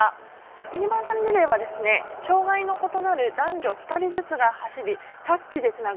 ユニバーサルリレーは障がいの異なる男女２人ずつが走りタッチでつなぐ。